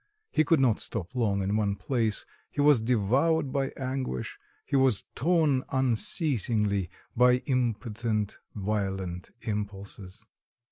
He could not stop long in one place: he was devoured by anguish; he was torn unceasingly by impotent violent impulses.